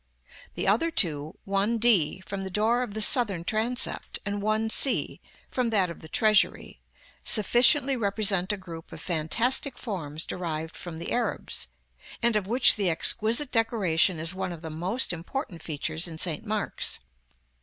The other two 1 d, from the door of the southern transept, and 1 c, from that of the treasury, sufficiently represent a group of fantastic forms derived from the Arabs, and of which the exquisite decoration is one of the most important features in St. Mark's.